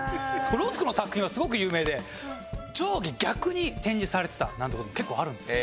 ロスコの作品はすごく有名で上下逆に展示されてたなんて事も結構あるんですよ。